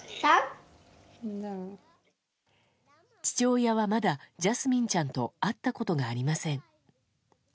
父親はまだジャスミンちゃんと会ったことがありません。